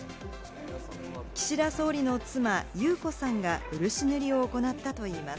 岸田総理の妻・裕子さんが漆塗りを行ったといいます。